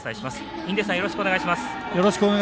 印出さん、よろしくお願いします。